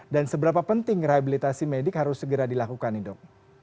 dan seberapa penting rehabilitasi medik harus segera dilakukan nih dok